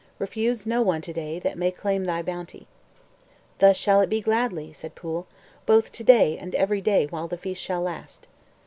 Refuse no one to day that may claim thy bounty." "Thus shall it be gladly," said Pwyll, "both to day and every day while the feast shall last."